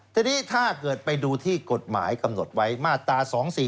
ทีนี้ถ้าเกิดไปดูที่กฎหมายกำหนดไว้มาตรา๒๔